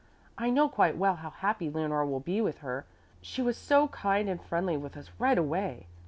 I know quite well how happy Leonore will be with her. She was so kind and friendly with us right away.